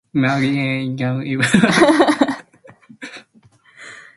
Magi e yien, ibiro muonyo yien gi ariyo ariyo nyadi dek, pilepile ka isechiemo.